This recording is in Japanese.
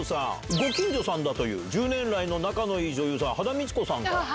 ご近所さんだという、１０年来の仲のいい女優さん、羽田美智子さん。